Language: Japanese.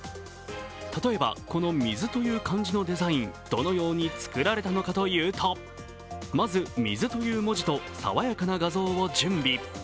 例えば、この水という漢字のデザイン、どのように作られたのかというとまず水という文字と爽やかな画像を準備。